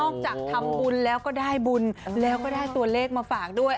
นอกจากทำบุญแล้วก็ได้ตัวเลขแล้วก็ได้บุญมาฝากด้วย